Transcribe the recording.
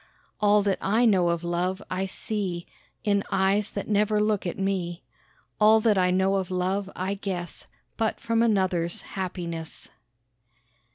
All that I know of love I see In eyes that never look at me; All that I know of love I guess But from another's happiness.